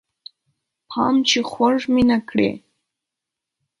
پام چې خوږ مې نه کړې